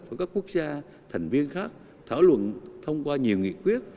với các quốc gia thành viên khác thảo luận thông qua nhiều nghị quyết